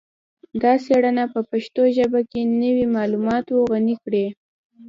دا څیړنه به پښتو ژبه په نوي معلوماتو غني کړي